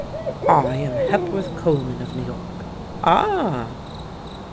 "I am Hepworth Coleman of New York?" "Ah!"